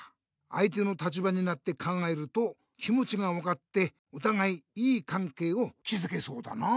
あいての立場になって考えると気もちが分かっておたがいいいかんけいをきずけそうだな。